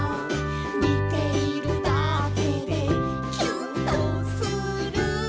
「みているだけでキュンとする」